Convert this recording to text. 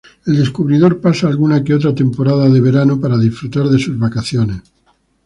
El descubridor pasa alguna que otra temporada de verano para disfrutar de sus vacaciones.